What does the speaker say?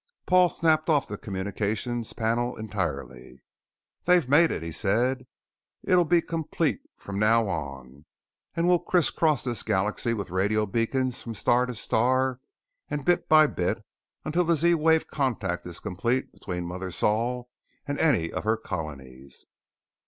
Paul snapped off the communications panel entirely. "They've made it," he said. "It'll be complete from now on. And we'll criss cross this galaxy with radio beacons from star to star and bit by bit until the Z wave contact is complete between Mother Sol and any of her Colonies."